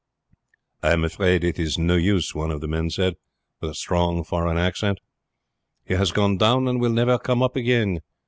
"I am afraid it's no use," one of the men said, with a strong foreign accent; "he has gone down and will never come up again.